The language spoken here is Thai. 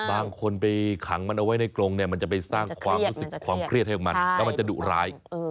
บางคนไปขังมันเอาไว้ในกรงเนี่ยมันจะไปสร้างความรู้สึกความเครียดให้มันแล้วมันจะดุร้าย